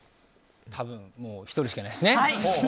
多分、１人しかいないですね。